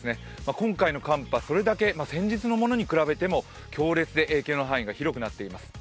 今回の寒波、先日のものに比べても、それだけ強烈で影響の範囲が広くなっています。